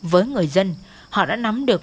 với người dân họ đã nắm được